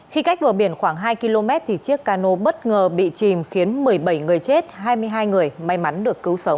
khi cách bờ biển khoảng hai km thì chiếc cano bất ngờ bị chìm khiến một mươi bảy người chết hai mươi hai người may mắn được cứu sống